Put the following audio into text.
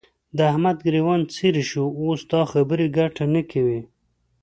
د احمد ګرېوان څيرې شو؛ اوس دا خبرې ګټه نه کوي.